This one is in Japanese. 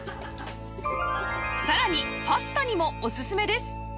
さらにパスタにもオススメです